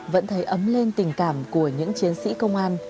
vẫn thấy ấm lên tình cảm của những chiến sĩ công an